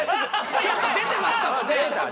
ちょっと出てましたもんね。